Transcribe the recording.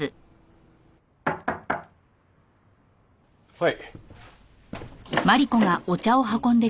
はい。